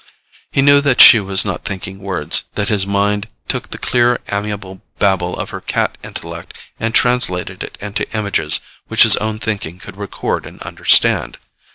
He knew that she was not thinking words, that his mind took the clear amiable babble of her cat intellect and translated it into images which his own thinking could record and understand.